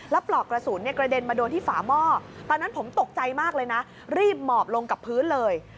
ปลอกกระสุนกระเด็นมาโดนที่ฝาหม้อตอนนั้นผมตกใจมากเลยนะรีบหมอบลงกับพื้นเลย